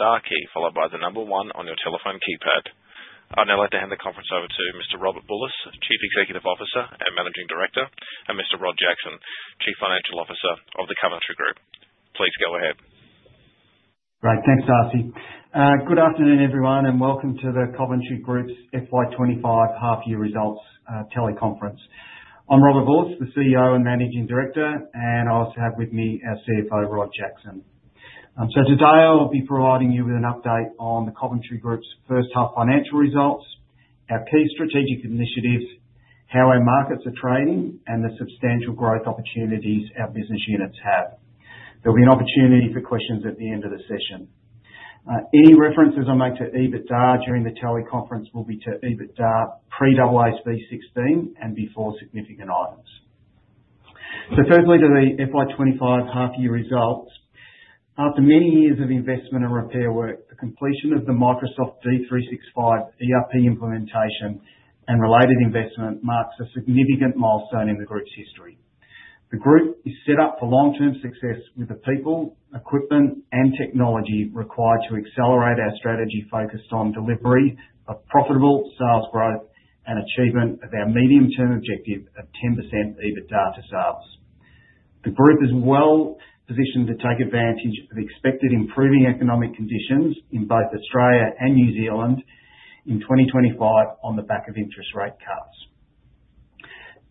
star key, followed by the number one on your telephone keypad. I'd now like to hand the conference over to Mr. Robert Bulluss, Chief Executive Officer and Managing Director, and Mr. Rod Jackson, Chief Financial Officer of the Coventry Group. Please go ahead. Right. Thanks, Darcey. Good afternoon, everyone, and welcome to the Coventry Group's FY 2025 half-year results teleconference. I'm Robert Bulluss, the CEO and Managing Director, and I also have with me our CFO, Rod Jackson. Today I'll be providing you with an update on the Coventry Group's first half financial results, our key strategic initiatives, how our markets are trading, and the substantial growth opportunities our business units have. There will be an opportunity for questions at the end of the session. Any references I make to EBITDA during the teleconference will be to EBITDA pre-AASB 16 and before significant items. Firstly, to the FY 2025 half-year results. After many years of investment and repair work, the completion of the Microsoft D365 ERP implementation and related investment marks a significant milestone in the group's history. The group is set up for long-term success with the people, equipment, and technology required to accelerate our strategy focused on delivery of profitable sales growth and achievement of our medium-term objective of 10% EBITDA to sales. The group is well positioned to take advantage of expected improving economic conditions in both Australia and New Zealand in 2025 on the back of interest rate cuts.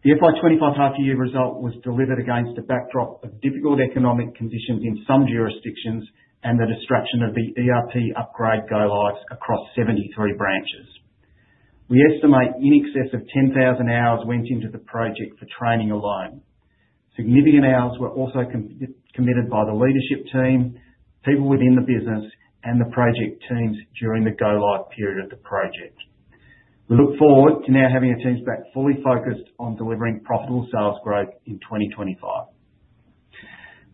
The FY 2025 half-year result was delivered against a backdrop of difficult economic conditions in some jurisdictions and the disruption of the ERP upgrade go-lives across 73 branches. We estimate in excess of 10,000 hours went into the project for training alone. Significant hours were also committed by the leadership team, people within the business, and the project teams during the go-live period of the project. We look forward to now having our teams back fully focused on delivering profitable sales growth in 2025.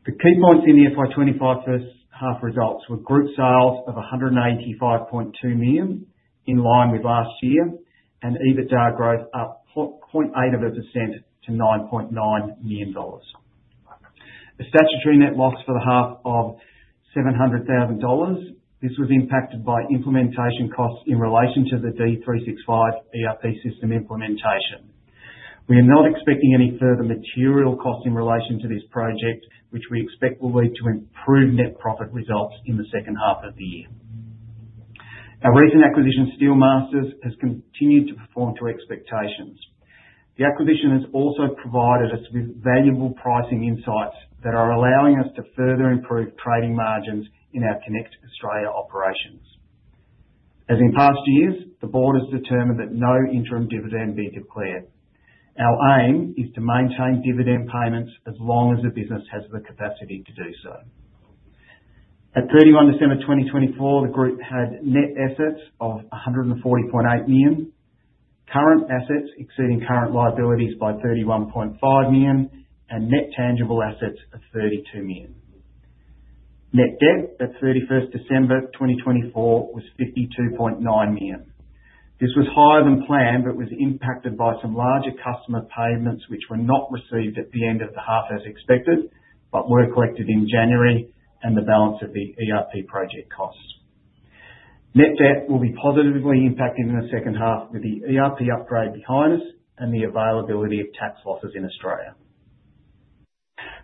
The key points in the FY 2025 first half results were group sales of 185.2 million in line with last year and EBITDA growth up 0.8% to 9.9 million dollars. The statutory net loss for the half of 700,000 dollars. This was impacted by implementation costs in relation to the D365 ERP system implementation. We are not expecting any further material costs in relation to this project, which we expect will lead to improved net profit results in the second half of the year. Our recent acquisition, Steelmasters, has continued to perform to expectations. The acquisition has also provided us with valuable pricing insights that are allowing us to further improve trading margins in our Connect Australia operations. As in past years, the board has determined that no interim dividend be declared. Our aim is to maintain dividend payments as long as the business has the capacity to do so. At 31 December 2024, the group had net assets of 140.8 million, current assets exceeding current liabilities by 31.5 million, and net tangible assets of 32 million. Net debt at 31st December 2024 was 52.9 million. This was higher than planned but was impacted by some larger customer payments which were not received at the end of the half as expected but were collected in January and the balance of the ERP project costs. Net debt will be positively impacted in the second half with the ERP upgrade behind us and the availability of tax losses in Australia.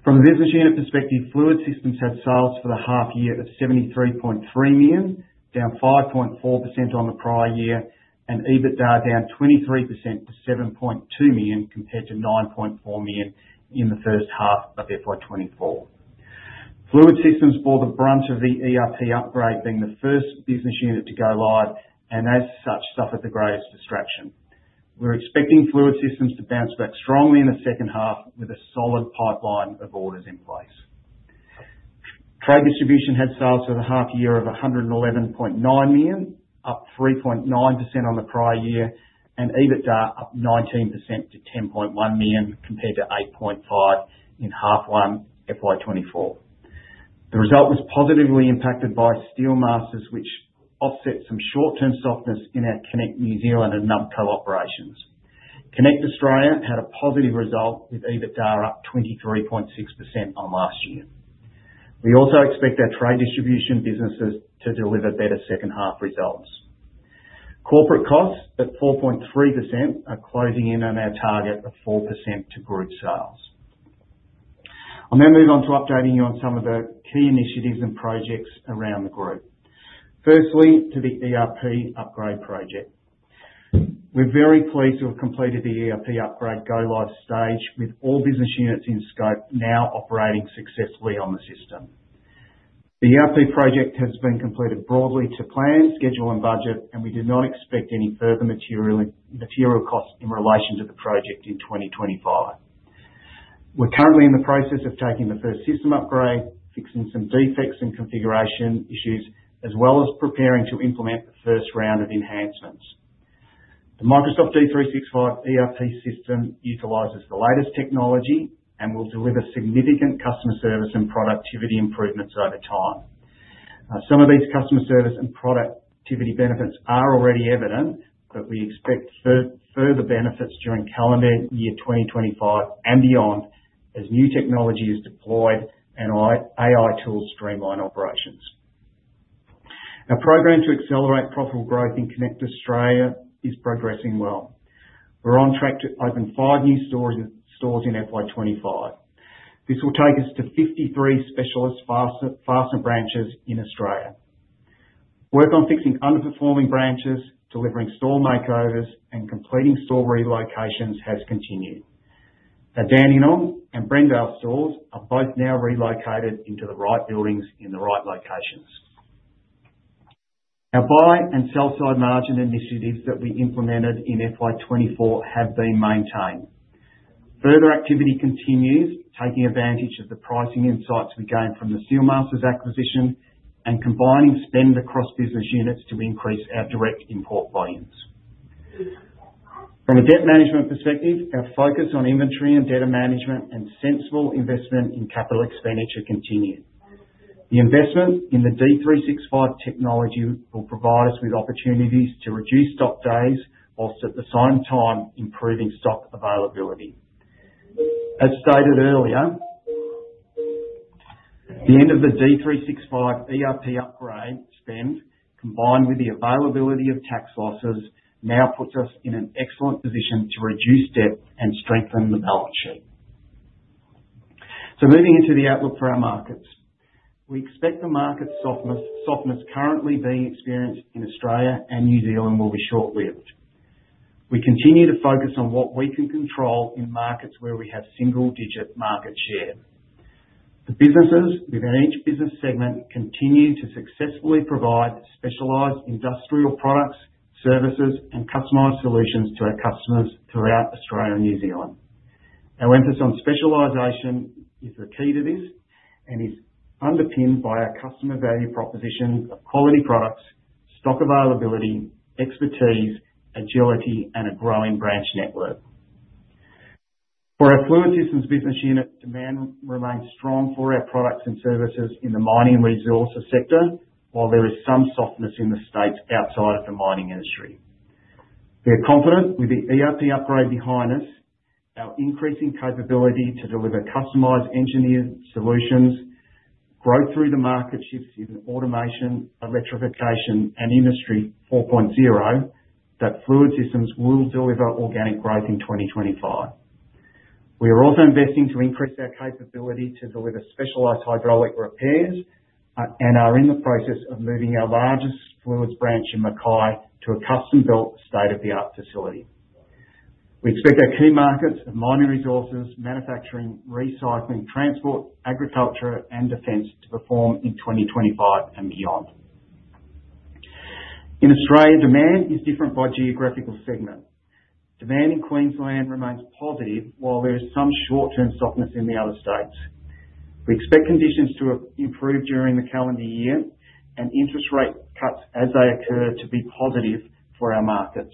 From a business unit perspective, Fluid Systems had sales for the half year of 73.3 million, down 5.4% on the prior year, and EBITDA down 23% to 7.2 million compared to 9.4 million in the first half of FY 2024. Fluid Systems bore the brunt of the ERP upgrade, being the first business unit to go live, and as such, suffered the greatest distraction. We're expecting Fluid Systems to bounce back strongly in the second half with a solid pipeline of orders in place. Trade Distribution had sales for the half year of 111.9 million, up 3.9% on the prior year, and EBITDA up 19% to 10.1 million compared to 8.5 million in half one FY 2024. The result was positively impacted by Steel Masters, which offset some short-term softness in our Connect New Zealand and Nubco operations. Connect Australia had a positive result with EBITDA up 23.6% on last year. We also expect our trade distribution businesses to deliver better second half results. Corporate costs at 4.3% are closing in on our target of 4% to group sales. I'll now move on to updating you on some of the key initiatives and projects around the group. Firstly, to the ERP upgrade project. We're very pleased to have completed the ERP upgrade go-live stage with all business units in scope now operating successfully on the system. The ERP project has been completed broadly to plan, schedule, and budget, and we do not expect any further material costs in relation to the project in 2025. We're currently in the process of taking the first system upgrade, fixing some defects and configuration issues, as well as preparing to implement the first round of enhancements. The Microsoft D365 ERP system utilizes the latest technology and will deliver significant customer service and productivity improvements over time. Some of these customer service and productivity benefits are already evident, but we expect further benefits during calendar year 2025 and beyond as new technology is deployed and AI tools streamline operations. Our program to accelerate profitable growth in Connect Australia is progressing well. We're on track to open five new stores in FY 2025. This will take us to 53 specialist fastener branches in Australia. Work on fixing underperforming branches, delivering store makeovers, and completing store relocations has continued. Our Dandenong and Bendigo stores are both now relocated into the right buildings in the right locations. Our buy and sell side margin initiatives that we implemented in FY 2024 have been maintained. Further activity continues, taking advantage of the pricing insights we gained from the Steelmasters acquisition and combining spend across business units to increase our direct import volumes. From a debt management perspective, our focus on inventory and debtor management and sensible investment in capital expenditure continues. The investment in the D365 technology will provide us with opportunities to reduce stock days whilst at the same time improving stock availability. As stated earlier, the end of the D365 ERP upgrade spend, combined with the availability of tax losses, now puts us in an excellent position to reduce debt and strengthen the balance sheet. Moving into the outlook for our markets, we expect the market softness currently being experienced in Australia and New Zealand will be short-lived. We continue to focus on what we can control in markets where we have single-digit market share. The businesses within each business segment continue to successfully provide specialized industrial products, services, and customized solutions to our customers throughout Australia and New Zealand. Our emphasis on specialization is the key to this and is underpinned by our customer value proposition of quality products, stock availability, expertise, agility, and a growing branch network. For our Fluid Systems business unit, demand remains strong for our products and services in the mining resources sector, while there is some softness in the states outside of the mining industry. We are confident with the ERP upgrade behind us, our increasing capability to deliver customized engineered solutions, growth through the market shifts in automation, electrification, and Industry 4.0 that Fluid Systems will deliver organic growth in 2025. We are also investing to increase our capability to deliver specialized hydraulic repairs and are in the process of moving our largest Fluid Systems branch in Mackay to a custom-built state-of-the-art facility. We expect our key markets of mining resources, manufacturing, recycling, transport, agriculture, and defense to perform in 2025 and beyond. In Australia, demand is different by geographical segment. Demand in Queensland remains positive, while there is some short-term softness in the other states. We expect conditions to improve during the calendar year and interest rate cuts as they occur to be positive for our markets.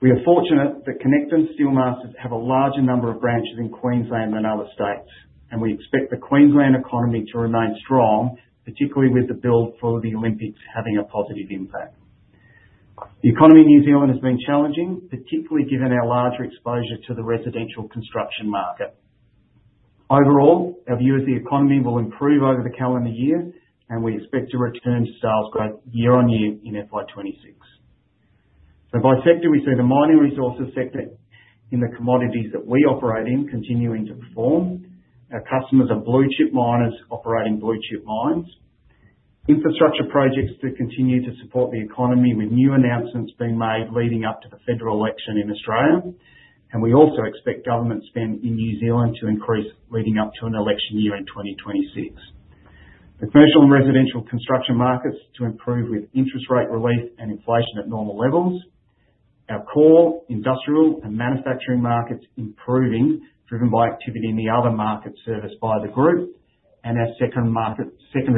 We are fortunate that Connect and Steelmasters have a larger number of branches in Queensland than other states, and we expect the Queensland economy to remain strong, particularly with the build for the Olympics having a positive impact. The economy in New Zealand has been challenging, particularly given our larger exposure to the residential construction market. Overall, our view is the economy will improve over the calendar year, and we expect to return to sales growth year on year in FY 2026. By sector, we see the mining resources sector in the commodities that we operate in continuing to perform. Our customers are blue-chip miners operating blue-chip mines. Infrastructure projects continue to support the economy with new announcements being made leading up to the federal election in Australia, and we also expect government spend in New Zealand to increase leading up to an election year in 2026. The commercial and residential construction markets to improve with interest rate relief and inflation at normal levels. Our core industrial and manufacturing markets improving, driven by activity in the other markets serviced by the group, and our secondary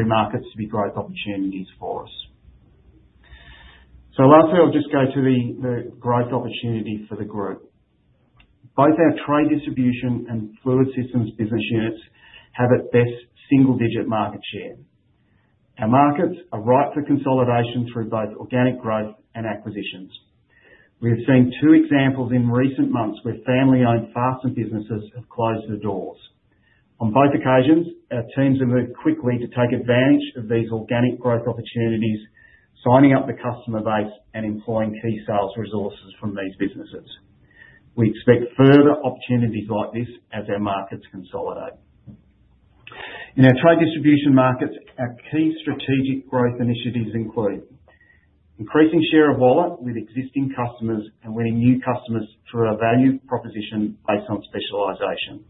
markets to be growth opportunities for us. Lastly, I'll just go to the growth opportunity for the group. Both our trade distribution and fluid systems business units have at best single-digit market share. Our markets are ripe for consolidation through both organic growth and acquisitions. We have seen two examples in recent months where family-owned fastener businesses have closed the doors. On both occasions, our teams have moved quickly to take advantage of these organic growth opportunities, signing up the customer base and employing key sales resources from these businesses. We expect further opportunities like this as our markets consolidate. In our trade distribution markets, our key strategic growth initiatives include increasing share of wallet with existing customers and winning new customers through our value proposition based on specialization.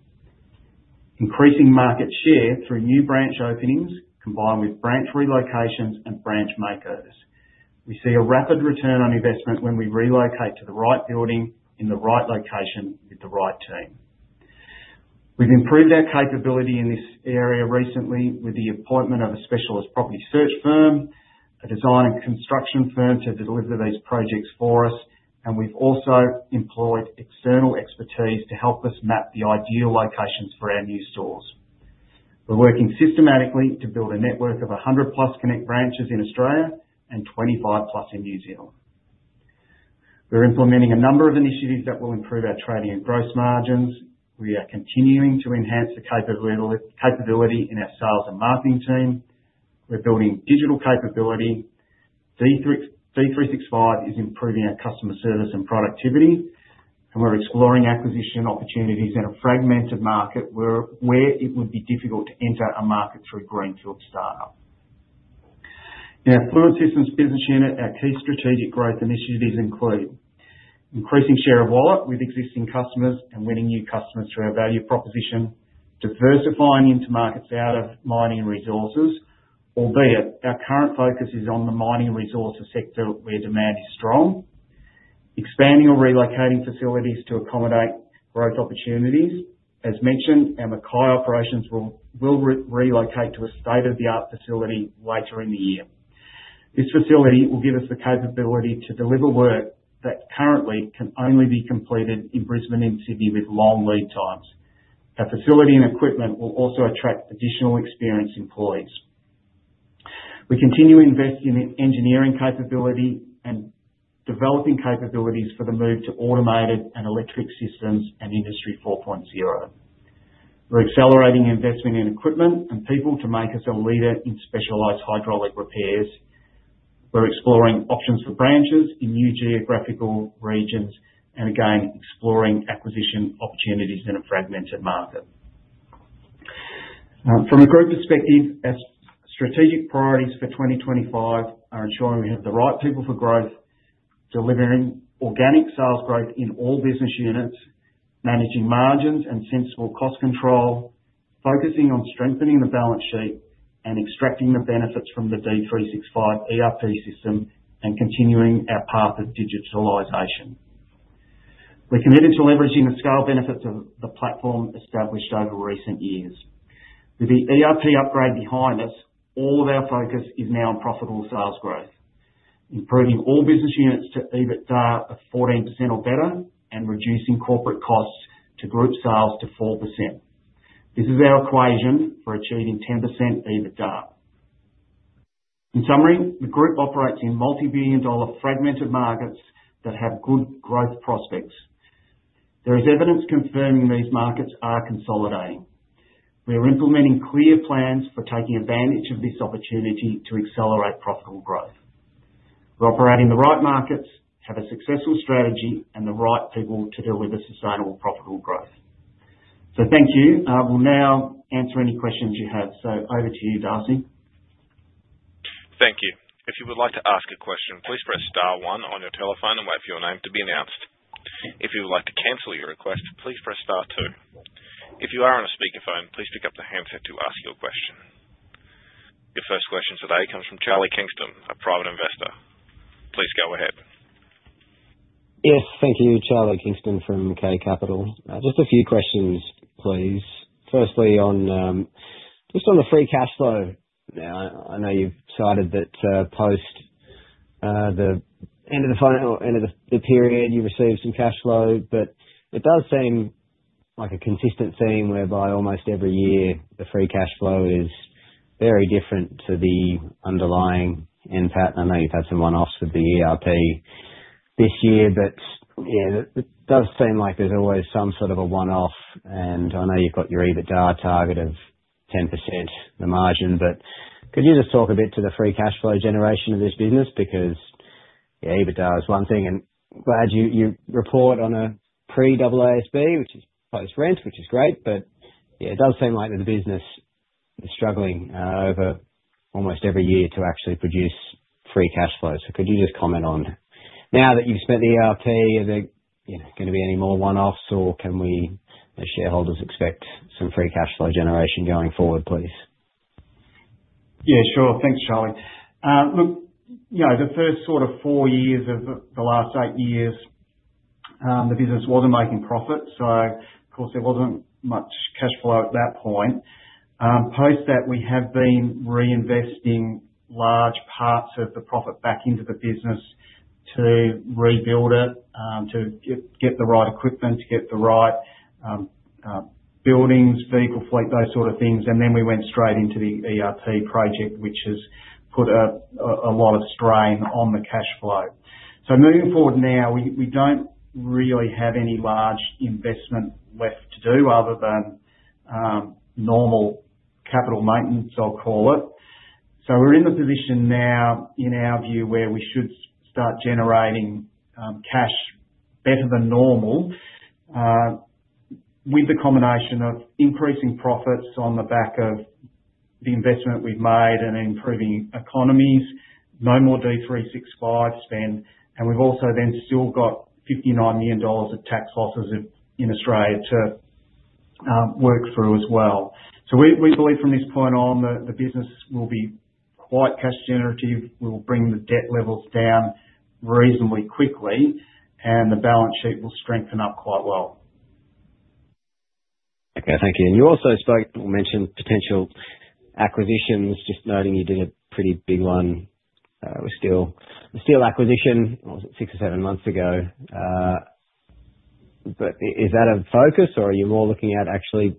Increasing market share through new branch openings combined with branch relocations and branch makers. We see a rapid return on investment when we relocate to the right building in the right location with the right team. We've improved our capability in this area recently with the appointment of a specialist property search firm, a design and construction firm to deliver these projects for us, and we've also employed external expertise to help us map the ideal locations for our new stores. We're working systematically to build a network of 100+ Connect branches in Australia and 25+ in New Zealand. We're implementing a number of initiatives that will improve our trading and gross margins. We are continuing to enhance the capability in our sales and marketing team. We're building digital capability. D365 is improving our customer service and productivity, and we're exploring acquisition opportunities in a fragmented market where it would be difficult to enter a market through a greenfield startup. In our Fluid Systems business unit, our key strategic growth initiatives include increasing share of wallet with existing customers and winning new customers through our value proposition, diversifying into markets out of mining resources, albeit our current focus is on the mining resources sector where demand is strong, expanding or relocating facilities to accommodate growth opportunities. As mentioned, our Mackay operations will relocate to a state-of-the-art facility later in the year. This facility will give us the capability to deliver work that currently can only be completed in Brisbane and Sydney with long lead times. Our facility and equipment will also attract additional experienced employees. We continue investing in engineering capability and developing capabilities for the move to automated and electric systems and Industry 4.0. We're accelerating investment in equipment and people to make us a leader in specialized hydraulic repairs. We're exploring options for branches in new geographical regions and, again, exploring acquisition opportunities in a fragmented market. From a group perspective, our strategic priorities for 2025 are ensuring we have the right people for growth, delivering organic sales growth in all business units, managing margins and sensible cost control, focusing on strengthening the balance sheet and extracting the benefits from the D365 ERP system and continuing our path of digitalization. We're committed to leveraging the scale benefits of the platform established over recent years. With the ERP upgrade behind us, all of our focus is now on profitable sales growth, improving all business units to EBITDA of 14% or better and reducing corporate costs to group sales to 4%. This is our equation for achieving 10% EBITDA. In summary, the group operates in multi-billion dollar fragmented markets that have good growth prospects. There is evidence confirming these markets are consolidating. We are implementing clear plans for taking advantage of this opportunity to accelerate profitable growth. We're operating the right markets, have a successful strategy, and the right people to deliver sustainable profitable growth. Thank you. We'll now answer any questions you have. Over to you, Darcey. Thank you. If you would like to ask a question, please press star one on your telephone and wait for your name to be announced. If you would like to cancel your request, please press star two. If you are on a speakerphone, please pick up the handset to ask your question. Your first question today comes from Charlie Kingston, a private investor. Please go ahead. Yes, thank you, Charlie Kingston from K Capital. Just a few questions, please. Firstly, just on the free cash flow. Now, I know you've cited that post the end of the period, you receive some cash flow, but it does seem like a consistent theme whereby almost every year the free cash flow is very different to the underlying end pattern. I know you've had some one-offs with the ERP this year, but it does seem like there's always some sort of a one-off, and I know you've got your EBITDA target of 10%, the margin, but could you just talk a bit to the free cash flow generation of this business? Because EBITDA is one thing, and I'm glad you report on a pre-AASB, which is post-rent, which is great, but it does seem like the business is struggling over almost every year to actually produce free cash flow. Could you just comment on now that you've spent the ERP, are there going to be any more one-offs, or can we shareholders expect some free cash flow generation going forward, please? Yeah, sure. Thanks, Charlie. Look, the first sort of four years of the last eight years, the business wasn't making profit, so of course, there wasn't much cash flow at that point. Post that, we have been reinvesting large parts of the profit back into the business to rebuild it, to get the right equipment, to get the right buildings, vehicle fleet, those sort of things, and we went straight into the ERP project, which has put a lot of strain on the cash flow. Moving forward now, we don't really have any large investment left to do other than normal capital maintenance, I'll call it. We're in the position now, in our view, where we should start generating cash better than normal with the combination of increasing profits on the back of the investment we've made and improving economies, no more D365 spend, and we've also then still got 59 million dollars of tax losses in Australia to work through as well. We believe from this point on that the business will be quite cash generative. We will bring the debt levels down reasonably quickly, and the balance sheet will strengthen up quite well. Okay, thank you. You also mentioned potential acquisitions, just noting you did a pretty big one with Steelmasters acquisition. Was it six or seven months ago? Is that a focus, or are you more looking at actually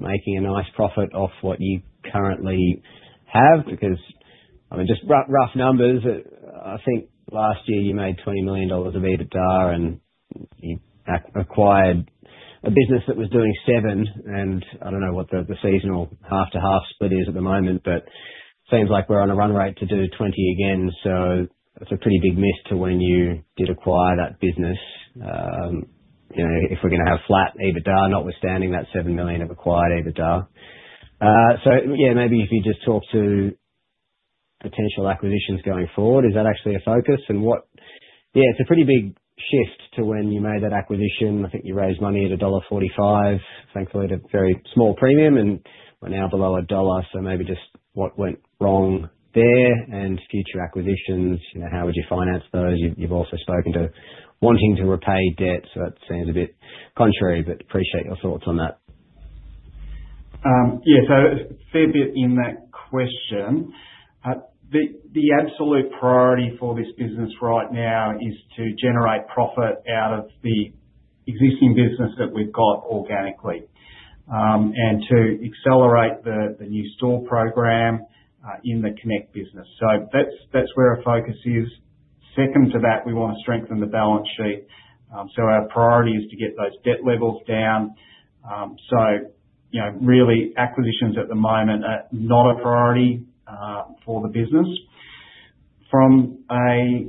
making a nice profit off what you currently have? Because just rough numbers, I think last year you made 20 million dollars of EBITDA, and you acquired a business that was doing 7 million, and I do not know what the seasonal half-to-half split is at the moment, but it seems like we are on a run rate to do 20 million again. That is a pretty big miss to when you did acquire that business if we are going to have flat EBITDA, notwithstanding that 7 million of acquired EBITDA. Maybe if you just talk to potential acquisitions going forward, is that actually a focus? It is a pretty big shift to when you made that acquisition. I think you raised money at dollar 1.45, thankfully, at a very small premium, and we are now below AUD 1. Maybe just what went wrong there and future acquisitions, how would you finance those? You've also spoken to wanting to repay debt, so that seems a bit contrary, but appreciate your thoughts on that. Yeah, a fair bit in that question. The absolute priority for this business right now is to generate profit out of the existing business that we've got organically and to accelerate the new store program in the Connect business. That's where our focus is. Second to that, we want to strengthen the balance sheet. Our priority is to get those debt levels down. Really, acquisitions at the moment are not a priority for the business. From a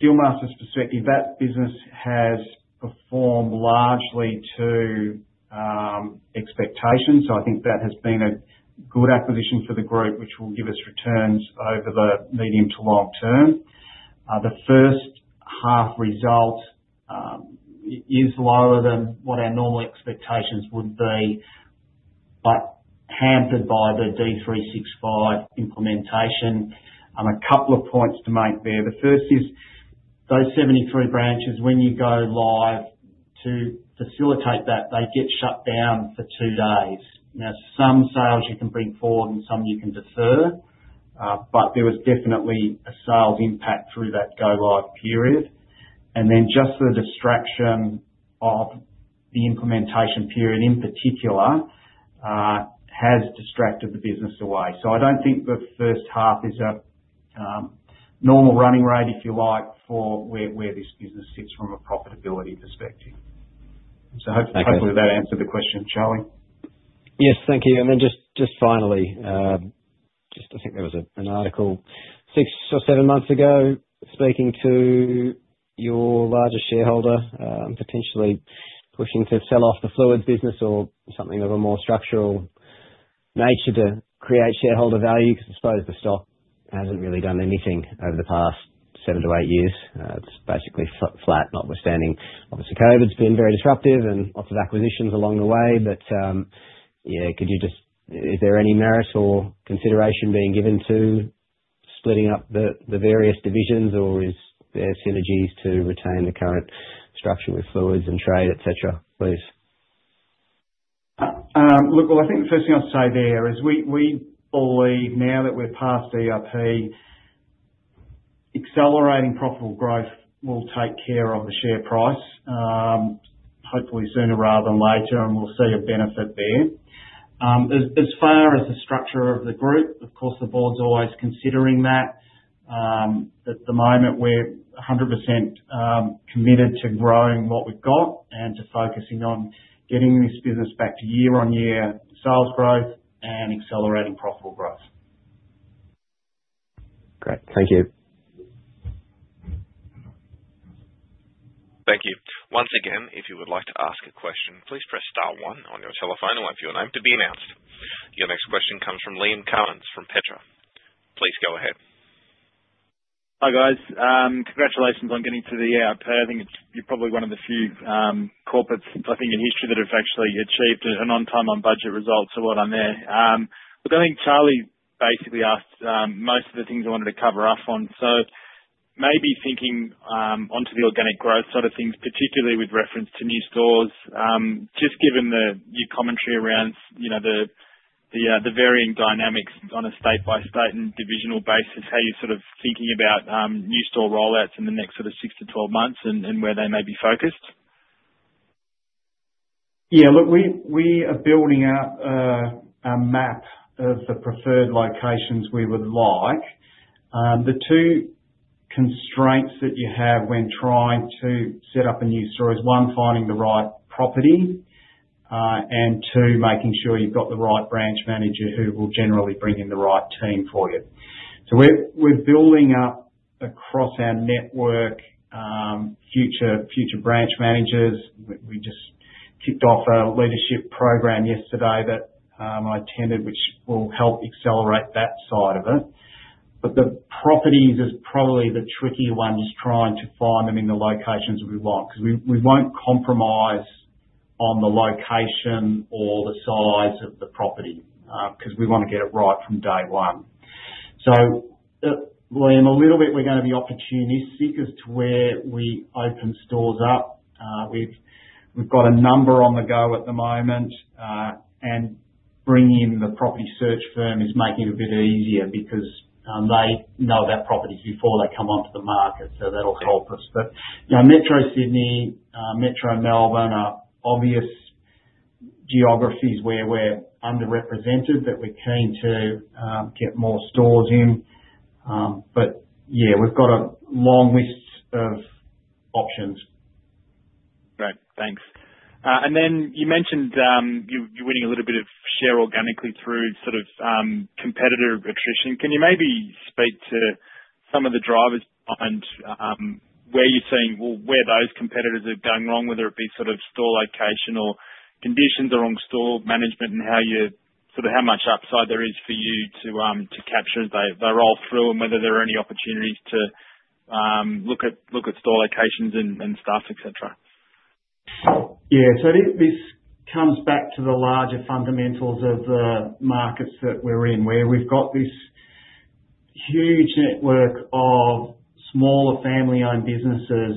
Steelmasters perspective, that business has performed largely to expectations. I think that has been a good acquisition for the group, which will give us returns over the medium to long term. The first half result is lower than what our normal expectations would be, but hampered by the D365 implementation. A couple of points to make there. The first is those 73 branches, when you go live to facilitate that, they get shut down for two days. Now, some sales you can bring forward and some you can defer, but there was definitely a sales impact through that go-live period. The distraction of the implementation period in particular has distracted the business away. I do not think the first half is a normal running rate, if you like, for where this business sits from a profitability perspective. Hopefully that answered the question, Charlie. Yes, thank you. And then just finally, I think there was an article six or seven months ago speaking to your larger shareholder, potentially pushing to sell off the fluids business or something of a more structural nature to create shareholder value, because I suppose the stock hasn't really done anything over the past seven to eight years. It's basically flat, notwithstanding, obviously, COVID's been very disruptive and lots of acquisitions along the way. Yeah, could you just—is there any merit or consideration being given to splitting up the various divisions, or is there synergies to retain the current structure with fluids and trade, etc., please? Look, I think the first thing I'll say there is we believe now that we're past ERP, accelerating profitable growth will take care of the share price, hopefully sooner rather than later, and we'll see a benefit there. As far as the structure of the group, of course, the board's always considering that. At the moment, we're 100% committed to growing what we've got and to focusing on getting this business back to year-on-year sales growth and accelerating profitable growth. Great. Thank you. Thank you. Once again, if you would like to ask a question, please press star one on your telephone or wait for your name to be announced. Your next question comes from Liam Cummins from Petra. Please go ahead. Hi, guys. Congratulations on getting to the ERP. I think you're probably one of the few corporates, I think, in history that have actually achieved an on-time on budget result to what I'm there. Look, I think Charlie basically asked most of the things I wanted to cover off on. Maybe thinking onto the organic growth sort of things, particularly with reference to new stores, just given the new commentary around the varying dynamics on a state-by-state and divisional basis, how you're sort of thinking about new store rollouts in the next 6-12 months and where they may be focused. Yeah, look, we are building out a map of the preferred locations we would like. The two constraints that you have when trying to set up a new store is, one, finding the right property, and two, making sure you've got the right branch manager who will generally bring in the right team for you. We are building up across our network future branch managers. We just kicked off a leadership program yesterday that I attended, which will help accelerate that side of it. The properties is probably the trickier one, just trying to find them in the locations we want, because we will not compromise on the location or the size of the property because we want to get it right from day one. In a little bit, we are going to be opportunistic as to where we open stores up. We have got a number on the go at the moment, and bringing in the property search firm is making it a bit easier because they know about properties before they come onto the market, so that will help us. Metro Sydney, Metro Melbourne are obvious geographies where we are underrepresented, but we are keen to get more stores in. We have got a long list of options. Great. Thanks. You mentioned you are winning a little bit of share organically through sort of competitor attrition. Can you maybe speak to some of the drivers behind where you're seeing where those competitors are going wrong, whether it be sort of store location or conditions around store management and how much upside there is for you to capture as they roll through and whether there are any opportunities to look at store locations and stuff, etc.? Yeah, this comes back to the larger fundamentals of the markets that we're in, where we've got this huge network of smaller family-owned businesses,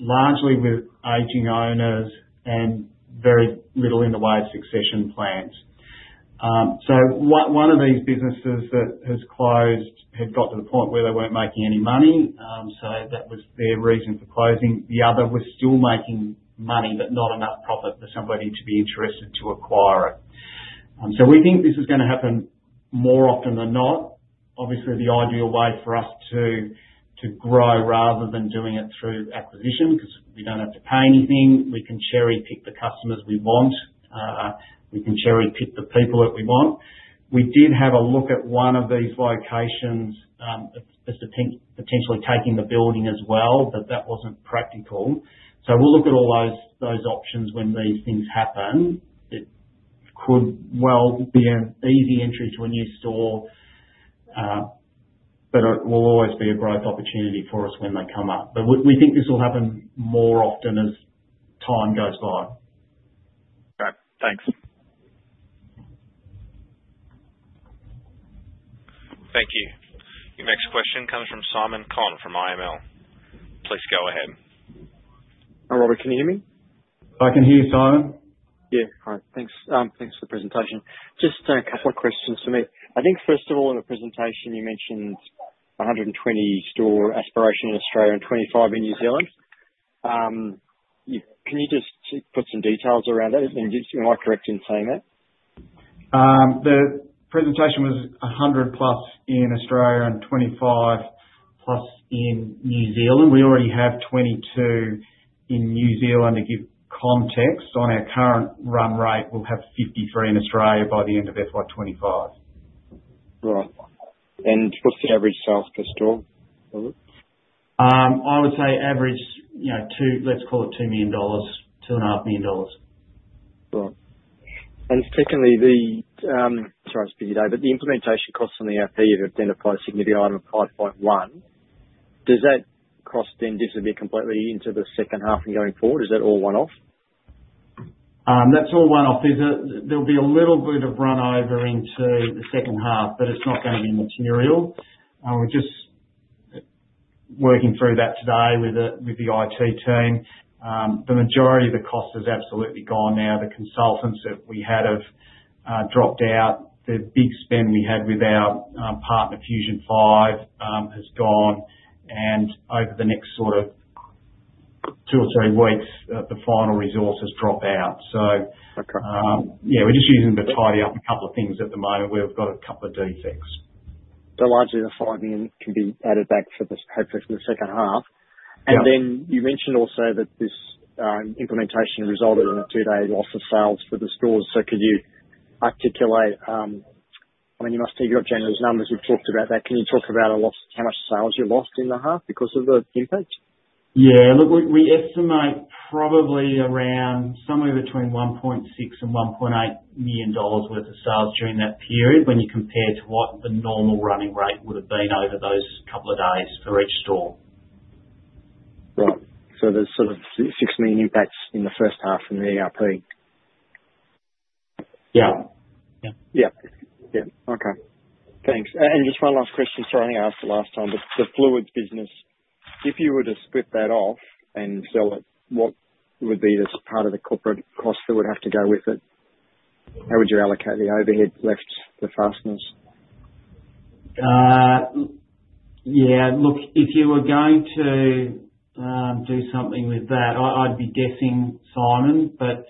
largely with aging owners and very little in the way of succession plans. One of these businesses that had closed had got to the point where they weren't making any money, so that was their reason for closing. The other was still making money, but not enough profit for somebody to be interested to acquire it. We think this is going to happen more often than not. Obviously, the ideal way for us to grow rather than doing it through acquisition, because we do not have to pay anything, we can cherry-pick the customers we want, we can cherry-pick the people that we want. We did have a look at one of these locations potentially taking the building as well, but that was not practical. We will look at all those options when these things happen. It could well be an easy entry to a new store, but it will always be a growth opportunity for us when they come up. We think this will happen more often as time goes by. Okay. Thanks. Thank you. Your next question comes from Simon Conn from IML. Please go ahead. Hi, Robert. Can you hear me? I can hear you, Simon. Yeah. All right. Thanks for the presentation. Just a couple of questions for me. I think, first of all, in the presentation, you mentioned 120 store aspiration in Australia and 25 in New Zealand. Can you just put some details around that? Am I correct in saying that? The presentation was 100+ in Australia and 25+ in New Zealand. We already have 22 in New Zealand. To give context, on our current run rate, we will have 53 in Australia by the end of FY 2025. Right. And what is the average sales per store? I would say average, let's call it 2 million-2.5 million dollars. Right. And secondly, sorry to speak to you today, but the implementation costs on the ERP have identified significantly higher than 5.1 million. Does that cost then disappear completely into the second half and going forward? Is that all one-off? That is all one-off. There'll be a little bit of runover into the second half, but it's not going to be material. We're just working through that today with the IT team. The majority of the cost is absolutely gone now. The consultants that we had have dropped out. The big spend we had with our partner, Fusion5, has gone. Over the next two or three weeks, the final resources drop out. Yeah, we're just using to tidy up a couple of things at the moment where we've got a couple of defects. Largely, the 5 million can be added back for the second half. You mentioned also that this implementation resulted in a two-day loss of sales for the stores. Could you articulate—I mean, you must have got generous numbers. We've talked about that. Can you talk about how much sales you lost in the half because of the impact? Yeah. Look, we estimate probably around somewhere between 1.6 million and 1.8 million dollars worth of sales during that period when you compare to what the normal running rate would have been over those couple of days for each store. Right. There is sort of 6 million impact in the first half from the ERP. Yeah. Yeah. Yeah. Okay. Thanks. Just one last question. Sorry, I think I asked the last time, but the fluids business, if you were to split that off and sell it, what would be this part of the corporate cost that would have to go with it? How would you allocate the overhead, lift, the fastness? Yeah. Look, if you were going to do something with that, I'd be guessing Simon, but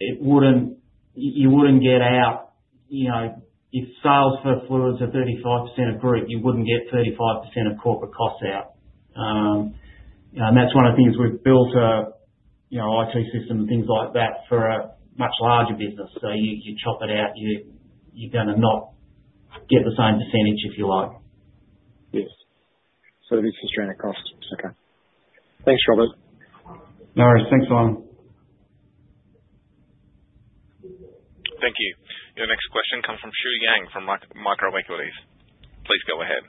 you wouldn't get out if sales for fluids are 35% of group, you wouldn't get 35% of corporate costs out. That is one of the things we've built—IT systems and things like that for a much larger business. You chop it out, you're going to not get the same percentage, if you like. Yes. This is just random costs. Okay. Thanks, Robert. No worries. Thanks, Simon. Thank you. Your next question comes from Shuo Yang from Microequities. Please go ahead.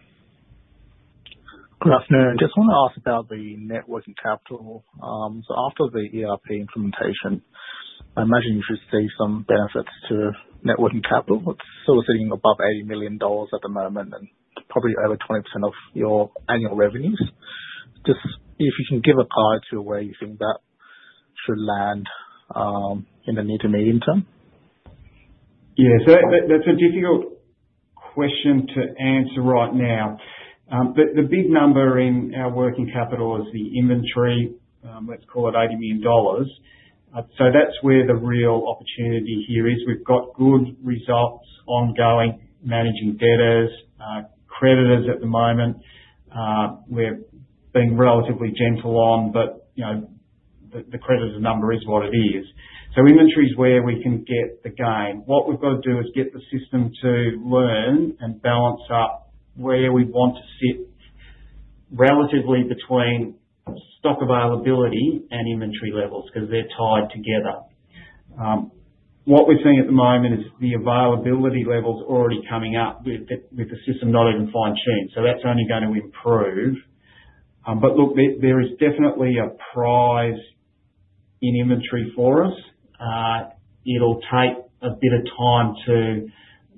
Good afternoon. Just want to ask about the networking capital. After the ERP implementation, I imagine you should see some benefits to networking capital. It's still sitting above 80 million dollars at the moment and probably over 20% of your annual revenues. Just if you can give a pie to where you think that should land in the near to medium term? Yeah. That's a difficult question to answer right now. The big number in our working capital is the inventory. Let's call it 80 million dollars. That's where the real opportunity here is. We've got good results ongoing, managing debtors, creditors at the moment. We're being relatively gentle on, but the creditors' number is what it is. Inventory is where we can get the gain. What we've got to do is get the system to learn and balance up where we want to sit relatively between stock availability and inventory levels because they're tied together. What we're seeing at the moment is the availability levels already coming up with the system not even fine-tuned. That's only going to improve. Look, there is definitely a prize in inventory for us. It'll take a bit of time to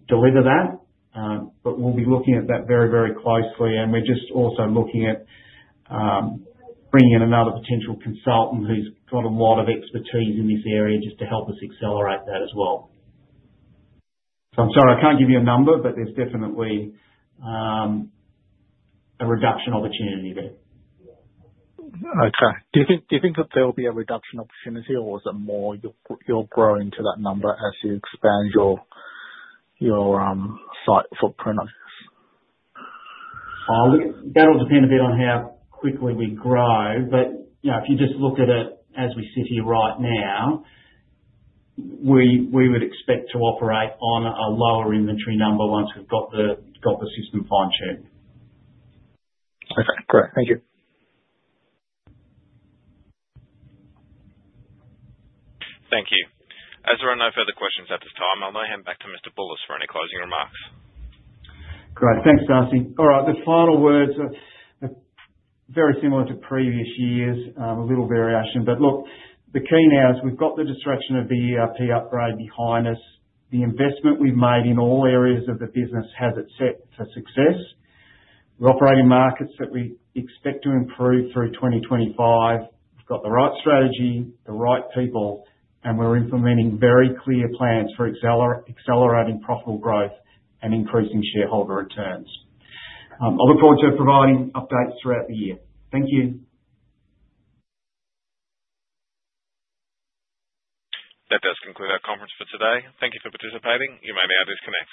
deliver that, but we'll be looking at that very, very closely. We're just also looking at bringing in another potential consultant who's got a lot of expertise in this area just to help us accelerate that as well. I'm sorry, I can't give you a number, but there's definitely a reduction opportunity there. Okay. Do you think that there will be a reduction opportunity, or is it more you'll grow into that number as you expand your site footprint? That'll depend a bit on how quickly we grow, but if you just look at it as we sit here right now, we would expect to operate on a lower inventory number once we've got the system fine-tuned. Okay. Great. Thank you. Thank you. As there are no further questions at this time, I'll now hand back to Mr. Bulluss for any closing remarks. Great. Thanks, Darcy. All right. The final words are very similar to previous years, a little variation. Look, the key now is we've got the destruction of the ERP upgrade behind us. The investment we've made in all areas of the business has it set for success. We're operating markets that we expect to improve through 2025. We've got the right strategy, the right people, and we're implementing very clear plans for accelerating profitable growth and increasing shareholder returns. I look forward to providing updates throughout the year. Thank you. That does conclude our conference for today. Thank you for participating. You may now disconnect.